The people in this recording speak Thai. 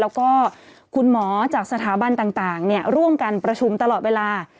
แล้วก็คุณหมอจากสถาบันต่างร่วมกันประชุมตลอดเวลา